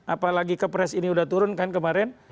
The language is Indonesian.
apalagi kepres ini sudah turun kan kemarin